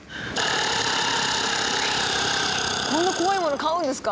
こんな怖いもの飼うんですか？